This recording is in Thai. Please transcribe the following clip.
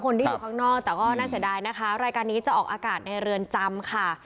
ที่อยู่ข้างนอกแต่ก็น่าเสียดายนะคะรายการนี้จะออกอากาศในเรือนจำค่ะ